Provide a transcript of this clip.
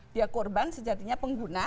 dia korban sejatinya pengguna